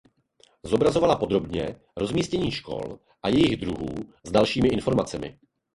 Zobrazovala podrobně rozmístění škol a jejich druhů s dalšími informacemi.